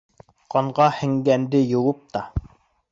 Ҡанға һеңгәнде йыуып та